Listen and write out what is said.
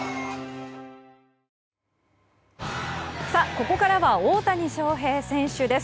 ここからは大谷翔平選手です。